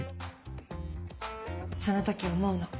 その時思うの。